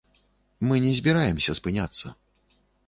Мы не збіраемся спыняцца!